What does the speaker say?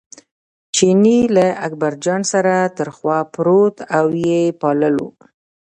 چیني له اکبرجان سره تر خوا پروت او یې پاللو.